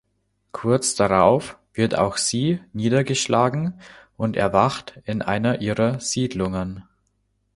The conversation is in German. Kurz darauf wird auch sie niedergeschlagen und erwacht in einer ihrer Siedlungen.